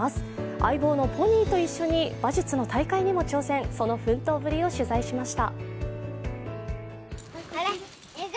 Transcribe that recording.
相棒のポニーと一緒に馬術の大会にも挑戦、その奮闘ぶりを取材しました。